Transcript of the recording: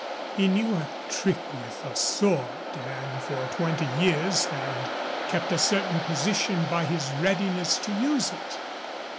He knew a trick with a sword, and for twenty years had kept a certain position by his readiness to use it.